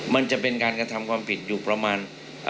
มันจะเป็นการกระทำความผิดอยู่ประมาณ